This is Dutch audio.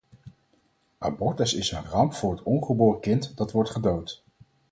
Abortus is een ramp voor het ongeboren kind dat wordt gedood.